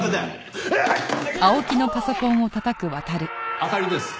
当たりです。